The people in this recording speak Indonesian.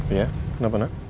iya kenapa nak